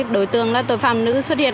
đối tượng là tội phạm nữ xuất hiện